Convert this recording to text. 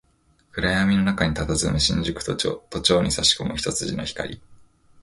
暗闇の中に佇む新宿都庁、都庁に差し込む一筋の光